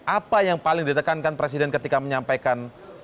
apa yang paling ditekankan presiden ketika menyampaikan